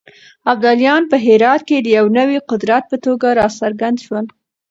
ابدالیان په هرات کې د يو نوي قدرت په توګه راڅرګند شول.